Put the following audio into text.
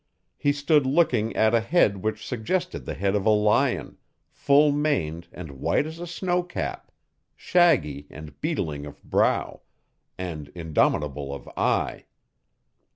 He stood looking at a head which suggested the head of a lion, full maned and white as a snow cap, shaggy and beetling of brow, and indomitable of eye.